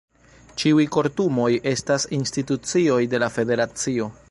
Ĉiuj kortumoj estas institucioj de la federacio.